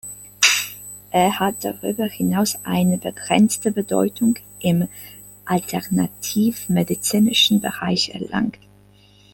Er hat darüber hinaus eine begrenzte Bedeutung im alternativmedizinischen Bereich erlangt.